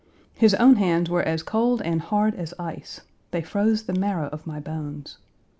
His own hands were as cold and hard as ice; they froze the marrow of my bones.